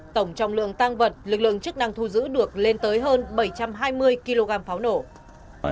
tổng trọng lượng tăng vật lực lượng chức năng thu giữ được lên tới hơn bảy trăm hai mươi kg pháo nổ